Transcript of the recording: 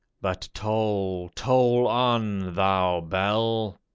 But toll, toll on, thou bell